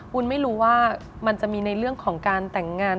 ไม่รู้ว่ามันจะมีในเรื่องของการแต่งงาน